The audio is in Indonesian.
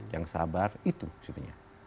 yang sabar itu sebenarnya